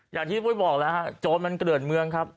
อย่างที่ี่พี่บอกโจ๋นมันเกลื่อนเมืองครับ